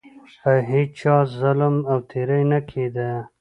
په هیچا ظلم او تیری نه کېده.